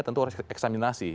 tentu harus eksaminasi